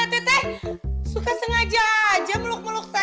tapiashe eu berenang